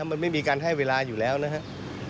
มันไม่มีการให้เวลาอยู่แล้วนะครับ